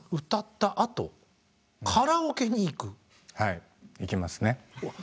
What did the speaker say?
はい行きますね。